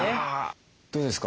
どうですか？